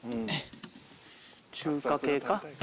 中華系か？